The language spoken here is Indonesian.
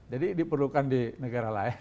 jadi diperlukan di negara lain